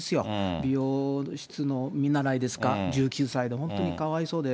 美容室の見習いですか、１９歳の、本当にかわいそうで。